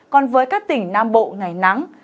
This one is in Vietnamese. còn với các tỉnh nam bộ ngày nắng